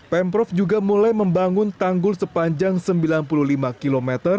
pemprov juga mulai membangun tanggul sepanjang sembilan puluh lima km